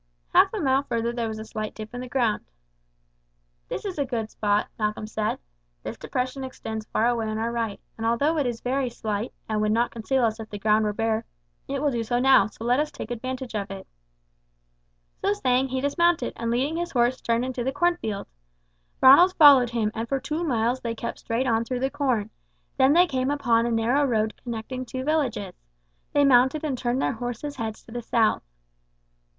Half a mile further there was a slight dip in the ground. "This is a good spot," Malcolm said. "This depression extends far away on our right, and although it is very slight, and would not conceal us if the ground were bare, it will do so now, so let us take advantage of it." So saying he dismounted, and leading his horse, turned into the cornfield. Ronald followed him, and for two miles they kept straight on through the corn; then they came upon a narrow road connecting two villages. They mounted and turned their horses' heads to the south.